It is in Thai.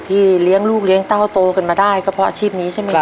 เลี้ยงลูกเลี้ยงเต้าโตกันมาได้ก็เพราะอาชีพนี้ใช่ไหมครับ